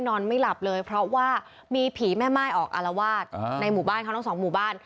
นอนไม่หลับเลยเพราะว่ามีผีแม่ม่ายออกอารวาสในหมู่บ้านเขาทั้งสองหมู่บ้าน